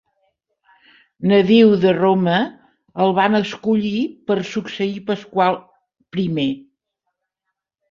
Nadiu de Roma, el van escollir per succeir Pasqual I.